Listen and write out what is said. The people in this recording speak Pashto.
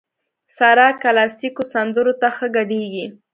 سارا کلاسيکو سندرو ته ښه ګډېږي.